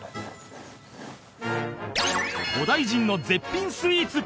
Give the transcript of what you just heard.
古代人の絶品スイーツ！